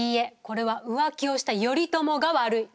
これは浮気をした頼朝が悪い！